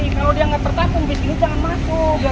kalau dia nggak tertahan di sini jangan masuk